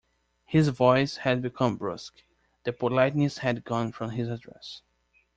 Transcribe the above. His voice had become brusque, the politeness had gone from his address.